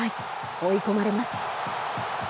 追い込まれます。